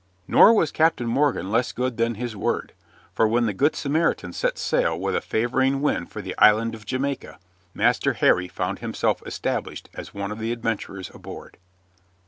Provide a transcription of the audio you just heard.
Nor was Captain Morgan less good than his word, for when the Good Samaritan set sail with a favoring wind for the island of Jamaica, Master Harry found himself established as one of the adventurers aboard.